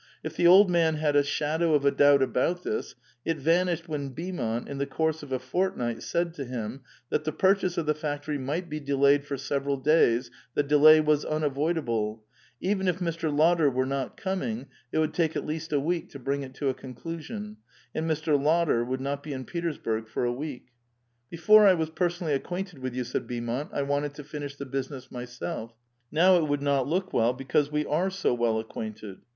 If the old man had a shadow of a doubt about this, it vanished when Beau mont, in the course of a fortnight, said to him, that the pur chase of the factory might be delayed for several days, the delay was unavoidable ; even if Mr. Lotter were not coming, it would take at least a week to bring it to a conclusion, and Mr. Lotter would not be in Petersburg for a week. " Before I was personally acquainted with you," said Beaumont, "I wanted to finish the business myself. Now it would not look well, because we are so well acquainted.